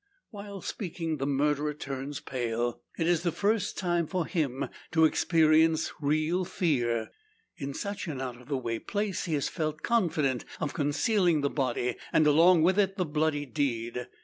While speaking, the murderer turns pale. It is the first time for him to experience real fear. In such an out of the way place he has felt confident of concealing the body, and along with it the bloody deed.